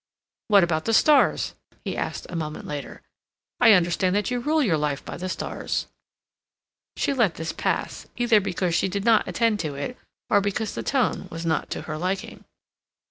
"What about the stars?" he asked a moment later. "I understand that you rule your life by the stars?" She let this pass, either because she did not attend to it, or because the tone was not to her liking.